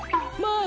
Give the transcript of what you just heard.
ああ。